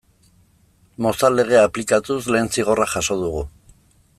Mozal Legea aplikatuz lehen zigorra jaso dugu.